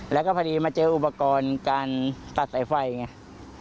แล้วก็พอดีมาเจออุปกรณ์การตัดสายไฟไง